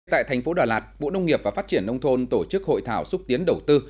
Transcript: tại thành phố đà lạt bộ nông nghiệp và phát triển nông thôn tổ chức hội thảo xúc tiến đầu tư